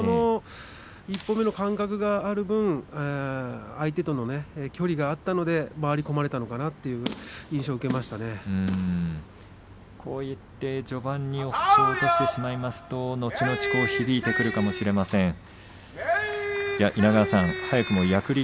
１歩目の間隔がある分相手との距離があったので回り込まれたかなというこうして序盤に星を落としてしまいますとのちのち響いてくるかもしれませんね